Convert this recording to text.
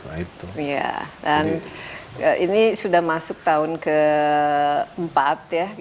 ya dan ini sudah masuk tahun ke empat ya